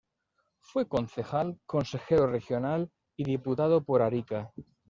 Fue concejal, consejero regional y diputado por Arica.